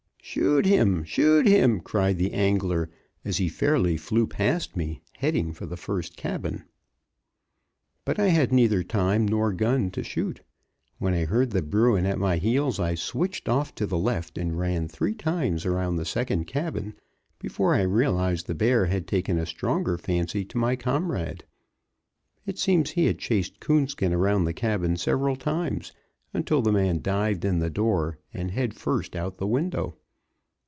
"Shoot him! Shoot him!" cried the angler, as he fairly flew past me, headed for the first cabin. But I had neither time nor gun to shoot; when I heard bruin at my heels I switched off to the left and ran three times around the second cabin before I realized the bear had taken a stronger fancy to my comrade. It seems he had chased Coonskin around the cabin several times, until the man dived in the door and head first out of the window.